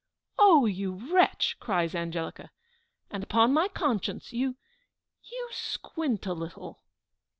"Oh, you wretch!" cries Angelica. "And, upon my conscience, you you squint a little."